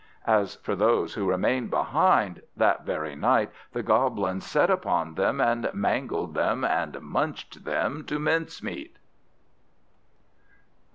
As for those who remained behind, that very night the Goblins set upon them and mangled them, and munched them to mincemeat.